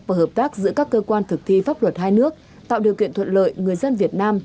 và hợp tác giữa các cơ quan thực thi pháp luật hai nước tạo điều kiện thuận lợi người dân việt nam